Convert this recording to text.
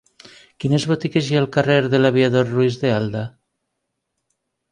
Quines botigues hi ha al carrer de l'Aviador Ruiz de Alda?